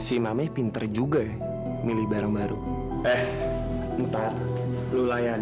udah deh mendingan sekarang lo masuk aja